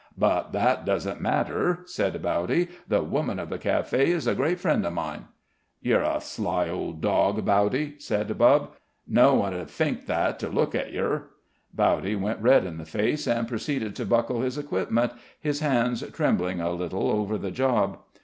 "But that doesn't matter," said Bowdy. "The woman of the café is a great friend of mine." "Ye're a sly old dawg, Bowdy," said Bubb. "No one 'ud fink that to look at yer." Bowdy went red in the face, and proceeded to buckle his equipment, his hands trembling a little over the job.